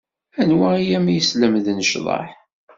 Anwa i am-yeslemden ccḍeḥ?